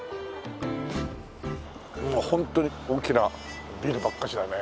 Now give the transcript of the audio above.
ホントに大きなビルばっかしだね。